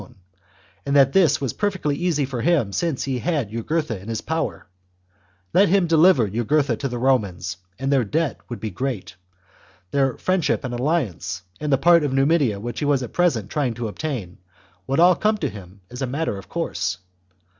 CHAP, own, and that this was perfectly easy for him since he had Jugurtha in his power : let him deliver Jugurtha to the Romans and their debt would be great ; their friendship and alliance, and the part of Numidia which he was at present trying to obtain, would all come to him as a matter of course.